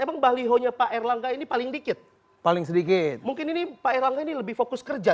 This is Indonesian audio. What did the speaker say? emang balihonya pak erlangga ini paling dikit paling sedikit mungkin ini pak erlangga ini lebih fokus kerja